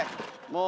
もう。